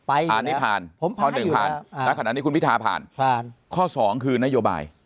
ผ่านนี้ผ่านข้อหนึ่งผ่านณขณะนี้คุณพิธาผ่านผ่านข้อสองคือนโยบาย